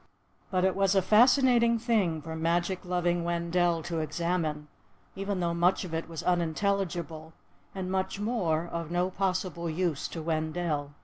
But it was a fascinating thing for magic loving Wendell to examine, even though much of it was unintelligible, and much more of no possible use to Wendell.